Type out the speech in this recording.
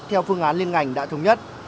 theo phương án liên ngành đã thống nhất